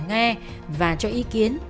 nghe và cho ý kiến